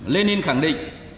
lenin khẳng định